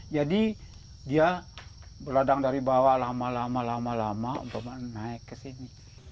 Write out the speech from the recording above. jadi dia berladang dari bawah lama lama untuk menaik ke sini